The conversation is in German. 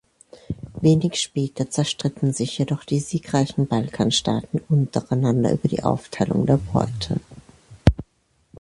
Wenig später zerstritten sich jedoch die siegreichen Balkanstaaten untereinander über die Aufteilung der Beute.